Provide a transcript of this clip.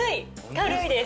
軽いです。